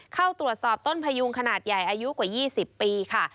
เข้าตรวจสอบต้นพยุงขนาดใหญ่อายุกว่า๒๐ปีค่ะ